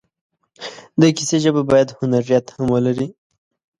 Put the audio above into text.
د کیسې ژبه باید هنریت هم ولري.